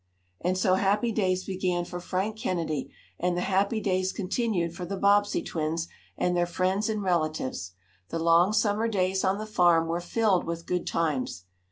And so happy days began for Frank Kennedy, and the happy days continued for the Bobbsey twins, and their friends and relatives. The long summer days on the farm were filled with good times.